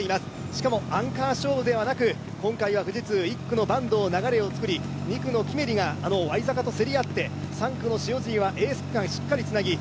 しかもアンカー勝負ではなく、今回は富士通１区の坂東、流れを作り、２区のキメリがワイザカと競り合って３区の塩尻はエース区間しっかりつなぎ